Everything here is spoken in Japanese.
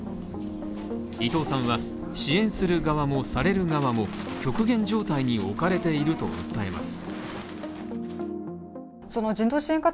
伊藤さんは支援する側もされる側も極限状態に置かれていると訴えます。